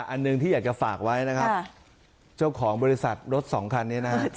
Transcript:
อันหนึ่งที่อยากจะฝากไว้นะครับเจ้าของบริษัทรถสองคันนี้นะฮะ